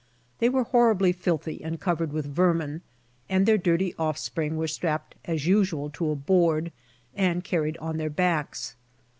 They were horribly filthy and covered with vermin, and their dirty off spring were strapped as usual to a board, and carried on their backs.